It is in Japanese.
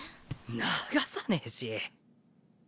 流さねぇし。